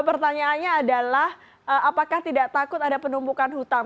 pertanyaannya adalah apakah tidak takut ada penumpukan hutang